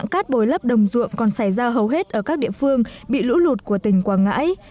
các đồng dụng còn xảy ra hầu hết ở các địa phương bị lũ lụt của tỉnh quảng ngãi